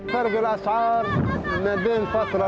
pembelian barang dari tepi barat